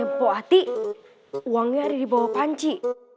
kata mpok ati uangnya ada di bawah panci